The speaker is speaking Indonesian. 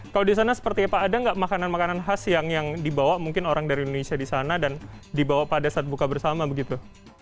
kalau di sana seperti apa ada nggak makanan makanan khas yang dibawa mungkin orang dari indonesia di sana dan dibawa pada saat buka bersama begitu